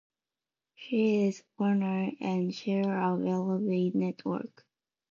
She is owner and Chair of Ellevate Network.